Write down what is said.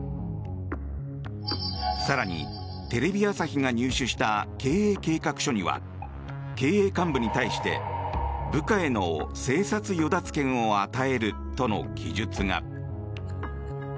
更に、テレビ朝日が入手した経営計画書には経営幹部に対して部下への生殺与奪権を与えるとの記述が。